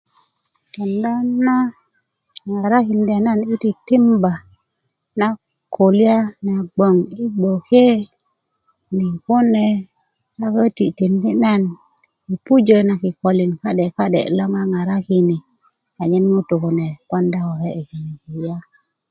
kenda na ŋarakinda na i titimba na kulyá na bgoŋ i gboke ni kune a köti tindi na i pujö na kikölin ka'de ka'de lo ŋaŋarakini a nyen ŋutu kune ponda koke i kine kulya